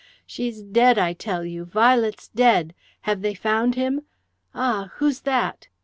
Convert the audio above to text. "She's dead, I tell you! Violet's dead.... Have they found him? Ah, who's that?"